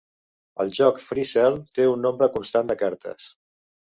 El joc FreeCell té un nombre constant de cartes.